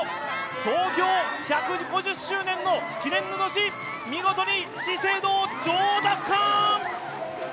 創業１５０周年の記念の年、見事に資生堂、女王奪還。